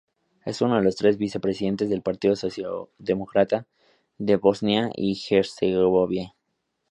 Es uno de los tres vice-presidentes del Partido Socialdemócrata de Bosnia y Herzegovina.